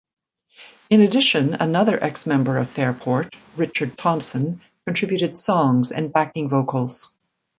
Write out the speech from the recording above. In addition another ex-member of Fairport, Richard Thompson, contributed songs and backing vocals.